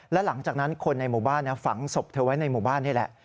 และหลังจากนั้นคนในหมู่บ้านฝังศพเธอไว้ในหมู่บ้านนี่แหละ